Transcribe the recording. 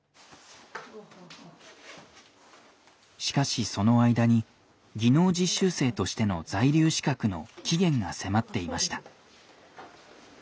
しかしその間に技能実習生としての在留資格の期限が迫っていました。